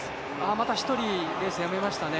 また一人、レースやめましたね。